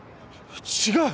違う！